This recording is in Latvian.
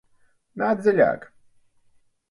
Nāc dziļāk!